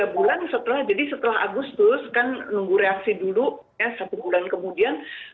tiga bulan setelah jadi setelah agustus kan nunggu reaksi dulu ya satu bulan kemudian